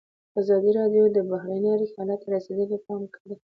ازادي راډیو د بهرنۍ اړیکې حالت ته رسېدلي پام کړی.